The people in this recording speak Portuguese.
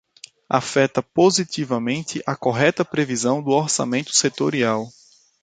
Afeta positivamente a correta previsão do orçamento setorial.